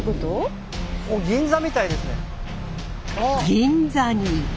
銀座に。